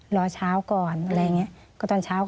รอเช้าก่อนอะไรอย่างนี้